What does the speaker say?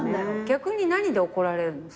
逆に何で怒られるの？